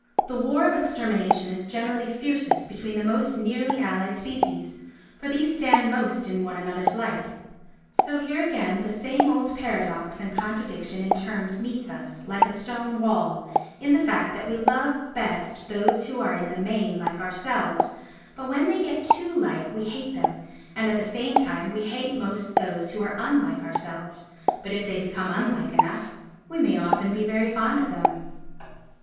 The war of extermination is generally fiercest between the most nearly allied species, for these stand most in one another's light. So here again the same old paradox and contradiction in terms meets us, like a stone wall, in the fact that we love best those who are in the main like ourselves, but when they get too like, we hate them, and, at the same time, we hate most those who are unlike ourselves, but if they become unlike enough, we may often be very fond of them.